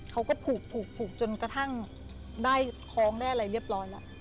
เขาก็ผูกผูกจนกระทั่งได้คล้องได้อะไรเรียบร้อยแล้ว